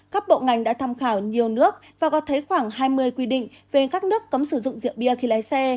các bộ ngành đã tham khảo nhiều nước và có thấy khoảng hai mươi quy định về các nước cấm sử dụng rượu bia khi lái xe